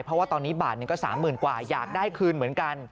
เพราะว่าตอนนี้บาทหนึ่งก็๓๐๐๐กว่าอยากได้คืนเหมือนกัน